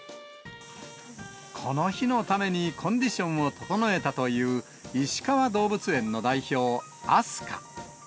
この日のためにコンディションを整えたといういしかわ動物園の代表、アスカ。